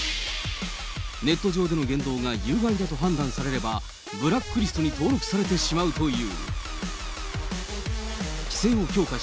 ネット上での言動が有害だと判断されれば、ブラックリストに登録されてしまうという。